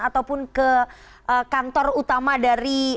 ataupun ke kantor utama dari